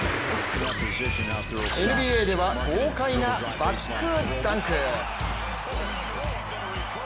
ＮＢＡでは豪快なバックダンク。